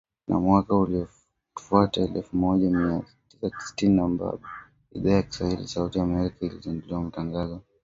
Na mwaka uliofuata, elfu moja mia tisa sitini na saba, Idhaa ya Kiswahili ya Sauti ya Amerika ilizindua matangazo ya moja kwa moja kutoka studio